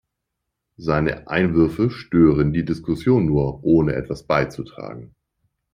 Seine Einwürfe stören die Diskussion nur, ohne etwas beizutragen.